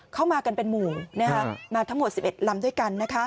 เข้ามากันเป็นหมู่มาทั้งหมด๑๑ลำด้วยกัน